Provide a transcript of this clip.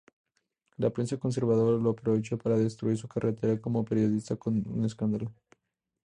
La prensa conservadora lo aprovechó para destruir su carrera como periodista con un escándalo.